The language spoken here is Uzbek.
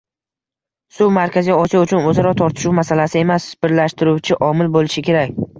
Suv Markaziy Osiyo uchun oʻzaro tortishuv masalasi emas, birlashtiruvchi omil boʻlishi kerak.